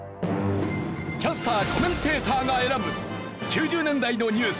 キャスターコメンテーターが選ぶ９０年代のニュース。